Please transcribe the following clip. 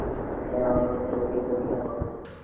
কিন্তু বিকেলে তিনি তাঁর মনোনয়নপত্র বৈধ ঘোষণা করেন।